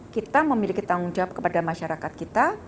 kita memiliki tanggung jawab kepada masyarakat kita